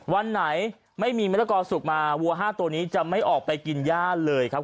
วันไหนไม่มีมะละกอสุกมาวัว๕ตัวนี้จะไม่ออกไปกินย่าเลยครับ